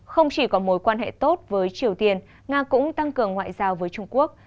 không chỉ có mối quan hệ tốt với triều tiên nga cũng tăng cường ngoại giao với trung quốc